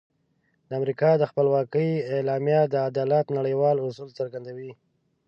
د امریکا د خپلواکۍ اعلامیه د عدالت نړیوال اصول څرګندوي.